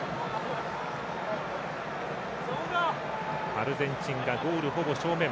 アルゼンチンがゴールほぼ正面。